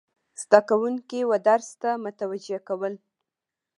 زده کوونکي و درس ته متوجه کول،